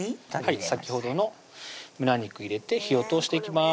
先ほどの胸肉入れて火を通していきます